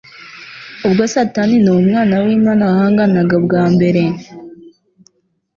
Ubwo Satani n'Umwana w'Imana bahanganaga bwa mbere,